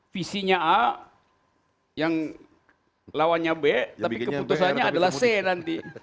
visinya a yang lawannya b tapi keputusannya adalah c nanti